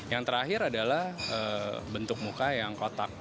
yang terakhir adalah bentuk muka yang kotak